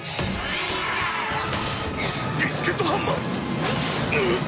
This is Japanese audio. ビスケットハンマー⁉ぐっ！